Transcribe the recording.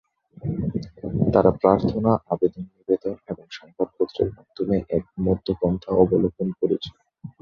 তারা প্রার্থনা, আবেদন-নিবেদন এবং সংবাদপত্রের মাধ্যমে এক মধ্য পন্থা অবলম্বন করেছিল।